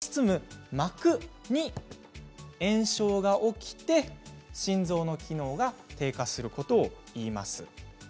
一方、心膜炎は心臓を包む膜に炎症が起きて心臓の機能が低下することをいいます。